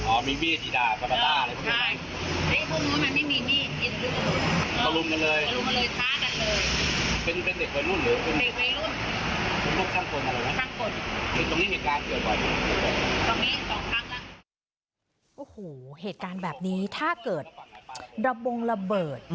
โอ้โหเหตุการณ์แบบนี้ถ้าเกิดระบงระเบิด